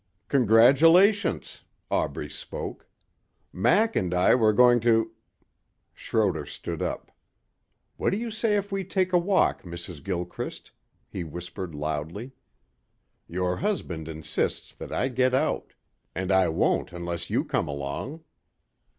"Congratulations," Aubrey spoke. "Mac and I were going to...." Schroder stood up. "What do you say if we take a walk, Mrs. Gilchrist," he whispered loudly. "Your husband insists that I get out. And I won't unless you come along."